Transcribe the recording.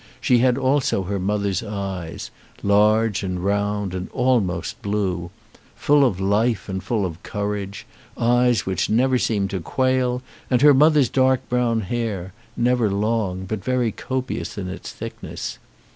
She had also her mother's eyes, large and round, and almost blue, full of life and full of courage, eyes which never seemed to quail, and her mother's dark brown hair, never long but very copious in its thickness.